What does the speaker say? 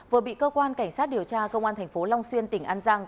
vừa bị cơ quan cảnh sát điều tra công an thành phố long xuyên tỉnh an giang